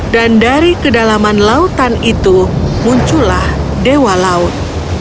dan dari kedalaman lautan itu muncullah dewa laut